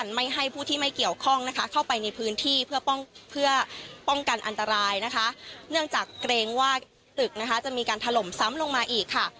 เนื่องจากเกรงว่าตึกนะคะจะมีการถล่มซ้ำลงมาอีกค่ะ